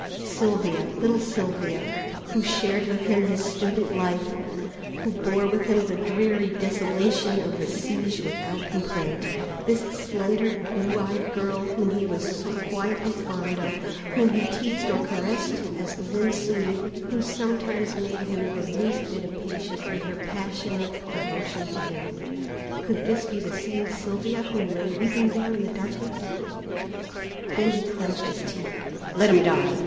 Sylvia, little Sylvia, who shared with him his student life, who bore with him the dreary desolation of the siege without complaint, this slender blue eyed girl whom he was so quietly fond of, whom he teased or caressed as the whim suited, who sometimes made him the least bit impatient with her passionate devotion to him, could this be the same Sylvia who lay weeping there in the darkness? Then he clinched his teeth. "Let him die!